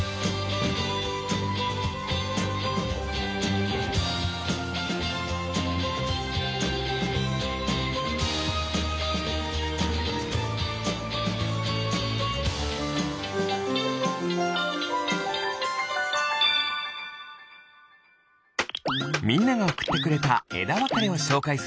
みんながおくってくれたえだわかれをしょうかいするよ。